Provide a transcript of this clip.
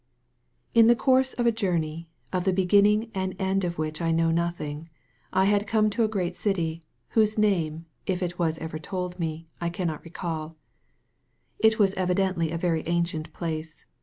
In the course of a journey, of the beginning and end of which I know nothing, I had come to a great city, whose name> if it was ever told me, I cannot recall. It was evidently a very ancient place.